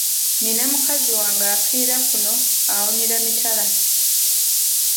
Nina mukazi wange afiira kuno awunyira mitala.